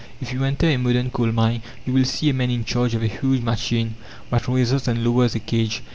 If you enter a modern coal mine you will see a man in charge of a huge machine that raises and lowers a cage.